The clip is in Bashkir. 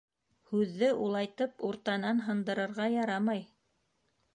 — Һүҙҙе улайтып уртанан һындырырға ярамай.